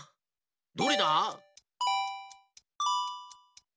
どれだ？